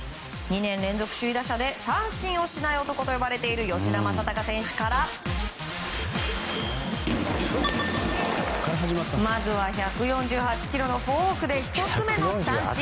２年連続首位打者で三振をしない男と呼ばれている吉田正尚選手からまずは１４８キロのフォークで１つ目の三振。